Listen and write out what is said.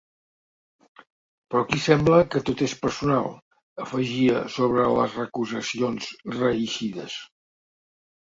Però aquí sembla que tot és personal, afegia, sobre les recusacions reeixides.